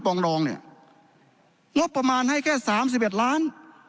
องรองเนี่ยงบประมาณให้แค่สามสิบเอ็ดล้าน